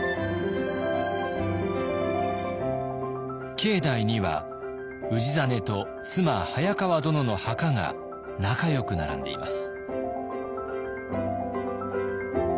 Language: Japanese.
境内には氏真と妻早川殿の墓が仲よく並んでいます。